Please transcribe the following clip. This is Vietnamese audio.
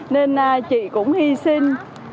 nên chị cũng hy sinh